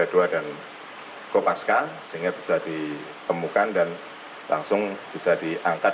ada dua dan kopaska sehingga bisa ditemukan dan langsung bisa diangkat